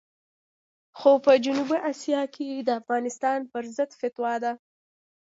خو په جنوبي اسیا کې د افغانستان پرضد فتوا ده.